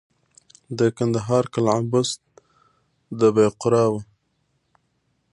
د کندهار قلعه بست د بایقرا وه